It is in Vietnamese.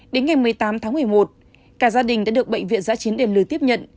đến ngày một mươi tám tháng một mươi một cả gia đình đã được bệnh viện ra chiến đền lưu tiếp nhận